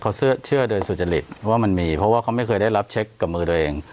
เขาเชื่อโดยสุจริตว่ามันมีเพราะว่าเขาไม่เคยได้รับเช็คกับมือตัวเอง